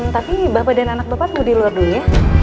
tapi bapak dan anak bapak mau di luar dulu ya